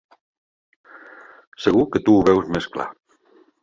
Segur que tu ho veus més clar.